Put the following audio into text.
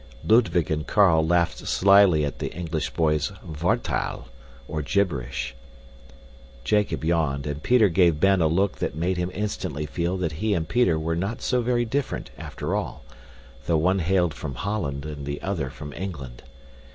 Ludwig and Carl laughed slyly at the English boy's wartaal, or gibberish. Jacob yawned, and Peter gave Ben a look that made him instantly feel that he and Peter were not so very different after all, though one hailed from Holland and the other from England.